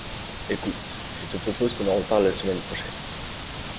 Écoute, je te propose qu'on en reparle la semaine prochaine.